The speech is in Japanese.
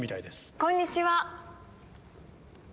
こんにちは！